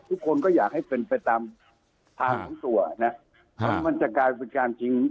ทุกคนก็อยากให้เป็นไปตามทางของตัวนะเพราะมันจะกลายเป็นการจริง